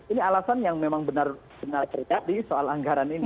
ini alasan yang memang benar benar terjadi soal anggaran ini